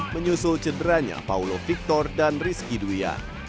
menyusul cederanya paulo victor dan rizky duya